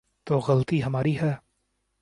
تو غلطی ہماری ہے۔